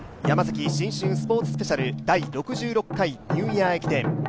ヤマザキ新春スポーツスペシャル第６６回ニューイヤー駅伝。